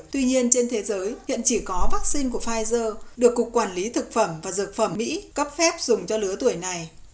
tuy nhiên trên thế giới hiện chỉ có vaccine của pfizer được cục quản lý thực phẩm và dược phẩm mỹ cấp phép dùng cho lứa tuổi này